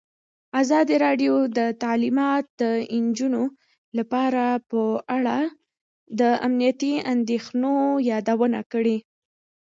ازادي راډیو د تعلیمات د نجونو لپاره په اړه د امنیتي اندېښنو یادونه کړې.